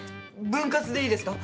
分割でいいですか？